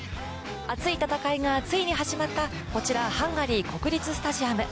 熱い戦いがついに始まったこちら、ハンガリー国立スタジアム。